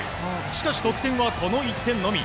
しかし得点はこの１点のみ。